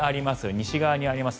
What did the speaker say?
西に側にあります